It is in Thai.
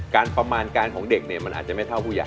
ประมาณการของเด็กเนี่ยมันอาจจะไม่เท่าผู้ใหญ่